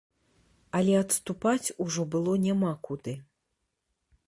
Але адступаць ужо было няма куды.